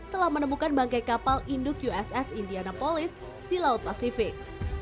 telah menemukan bangkai kapal induk uss indiana polis di laut pasifik